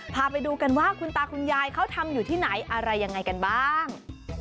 พาไปดูกันว่าคุณตาคุณยายเขาทำอยู่ที่ไหนอะไรยังไงกันบ้าง